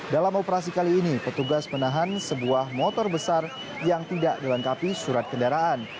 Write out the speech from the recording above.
dalam operasi kali ini petugas menahan sebuah motor besar yang tidak dilengkapi surat kendaraan